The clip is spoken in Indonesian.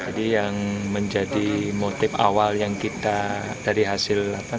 jadi yang menjadi motif awal yang kita dari hasil informasi bahwa pelaku ini sifatnya temperamen